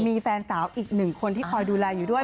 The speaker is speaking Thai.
มีแฟนสาวอีกหนึ่งคนที่คอยดูแลอยู่ด้วย